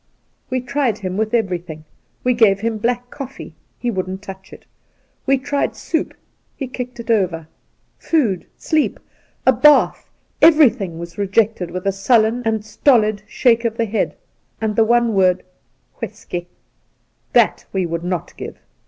We tried him with everything. We gave him black coffee — he wouldn't touch it ; we tried soup — he kicked it over ; food, sleep, a bath — every thing was rejected with a sullen and stolid shake of the head, and the one word ' W'isky.' That we would not give.